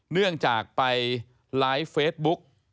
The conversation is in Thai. เนื่องจากไปไลฟ์เฟซบุ๊ก